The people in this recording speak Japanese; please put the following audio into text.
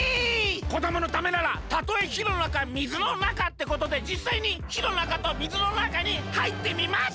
こどものためならたとえひのなかみずのなかってことでじっさいにひのなかとみずのなかにはいってみます！